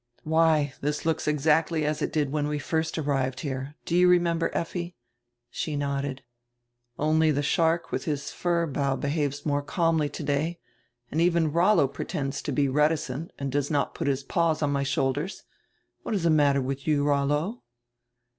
"Why, diis looks exactly as it did when we first arrived here. Do you remember, Effi?" She nodded. "Only die shark widi his fir bough behaves more calmly today, and even Rollo pretends to be reticent and does not put his paws on my shoulders. What is die matter widi you, Rollo?"